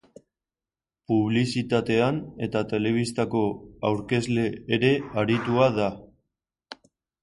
Publizitatean eta telebistako aurkezle ere aritua da.